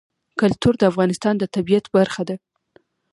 کلتور د افغانستان د طبیعت برخه ده.